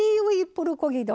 プルコギ丼！